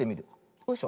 よいしょ。